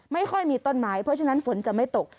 ไม่ค่อยมีต้นไม้เพราะฉะนั้นฝนจะไม่ตก